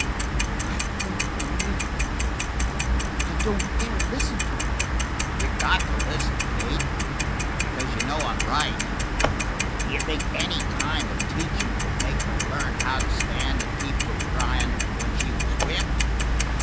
"I won't believe you, Buck. I don't dare listen to you!" "You got to listen, Kate, because you know I'm right. D'you think that any kind of teachin' could make her learn how to stand and keep from cryin' when she was whipped?"